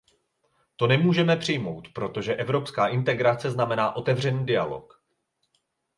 To nemůžeme přijmout, protože evropská integrace znamená otevřený dialog.